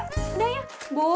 udah ya bu